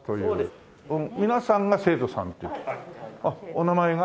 お名前が？